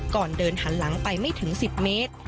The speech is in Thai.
ก่อนเดินหันหลังไปไม่ถึง๑๐เมตร